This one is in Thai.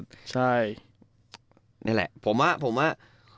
นี่แหละผมว่า